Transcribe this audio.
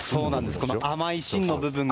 この甘い芯の部分が。